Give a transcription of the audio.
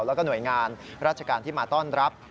แล้วก็หน่วยงานราชการที่มาต้อนรับ